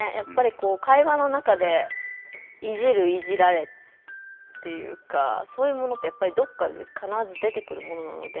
会話の中でいじる・いじられっていうかそういうものってやっぱりどっかで必ず出てくるものなので。